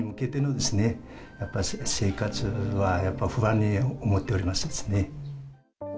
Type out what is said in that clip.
今後の再建に向けてのですね、やっぱ生活は、やっぱ不安に思っておりますですね。